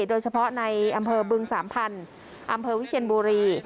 โดยเฉพาะในอำเภอบึงสามพันธุ์อำเภอวิเชียนบุรี